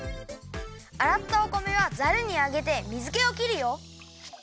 あらったお米はザルにあげて水けを切るよ。